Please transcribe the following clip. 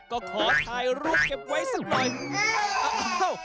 ก็ขอถ่ายรูปเก็บไว้สักหน่อย